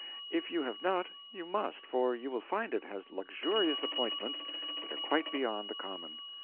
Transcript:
But if you have not, you must, for you will find it has luxurious appointments that are quite beyond the common.